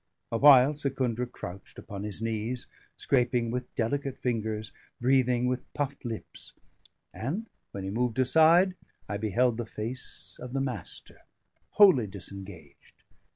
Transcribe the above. A while Secundra crouched upon his knees, scraping with delicate fingers, breathing with puffed lips; and when he moved aside, I beheld the face of the Master wholly disengaged.